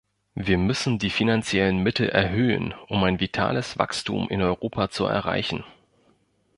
Wir müssen die finanziellen Mittel erhöhen, um ein vitales Wachstum in Europa zu erreichen.